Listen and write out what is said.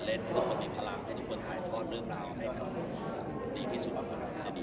เล่นให้ทุกคนมีพลังให้ทุกคนถ่ายทอดเรื่องราวให้ดีพิสูจน์ของเราได้